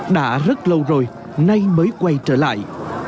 đã rất lâu rồi nay mới quay trở lại